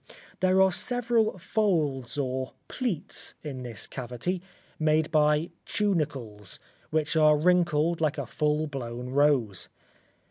There are several folds or pleats in this cavity, made by tunicles, which are wrinkled like a full blown rose.